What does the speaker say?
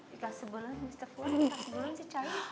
kita sebelah mr fuad kita sebelah si calon